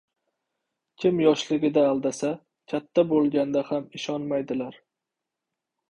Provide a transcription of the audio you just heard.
• Kim yoshligida aldasa, katta bo‘lganda ham ishonmaydilar.